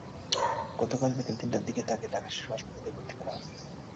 গতকাল বিকেল তিনটার দিকে তাকে ঢাকা শিশু হাসপাতালে ভর্তি করা হয়।